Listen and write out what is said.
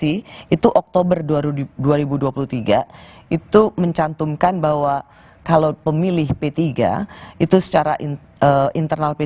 itu oktober dua ribu dua puluh tiga itu mencantumkan bahwa kalau pemilih p tiga itu secara internal p tiga